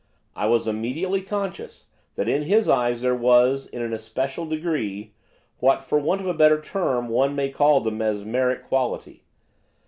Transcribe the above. I was immediately conscious that in his eyes there was, in an especial degree, what, for want of a better term, one may call the mesmeric quality.